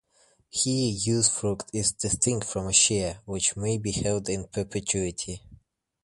Here usufruct is distinct from a share, which may be held in perpetuity.